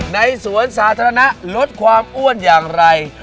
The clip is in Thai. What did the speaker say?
ในสวนสาธารณะลดความอ้วนอย่างไร